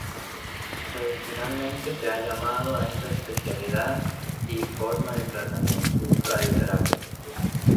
Tradicionalmente se ha llamado a esta especialidad y forma de tratamiento, radioterapia.